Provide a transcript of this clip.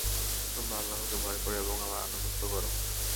তোমরা আল্লাহকে ভয় কর এবং আমার আনুগত্য কর।